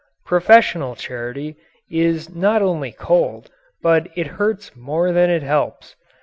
Professional charity is not only cold but it hurts more than it helps.